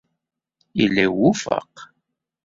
Yella iwufeq.